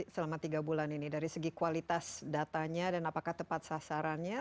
selama tiga bulan ini dari segi kualitas datanya dan apakah tepat sasarannya